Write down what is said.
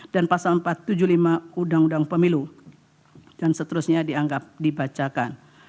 pasal empat ratus tujuh puluh lima undang undang pemilu dan seterusnya dianggap dibacakan